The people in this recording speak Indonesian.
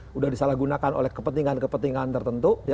sudah disalahgunakan oleh kepentingan kepentingan tertentu